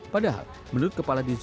padahal menurut kepala kepala kepala